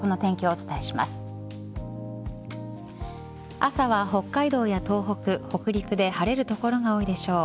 朝は北海道や東北北陸で晴れる所が多いでしょう。